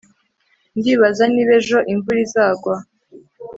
Ndibaza niba ejo imvura izagwa